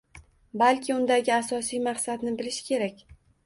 Balki undagi asosiy maqsadni bilish kerak.